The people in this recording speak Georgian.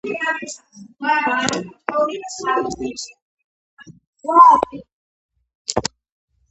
დავითმა, მართლაც, ქართლის გამგებლად დასვა ბაგრატი.